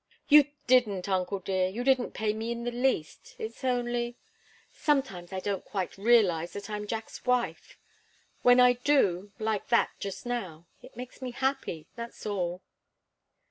"You didn't, uncle dear! You didn't pain me in the least. It's only sometimes I don't quite realize that I'm Jack's wife. When I do like that, just now it makes me happy. That's all."